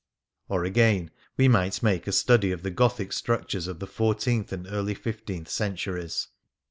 Or, again, we might make a study of the Gothic structures of the fourteenth and early fifteenth centuries.